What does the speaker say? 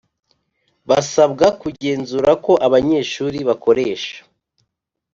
basabwa kugenzura ko abanyeshuri bakoresha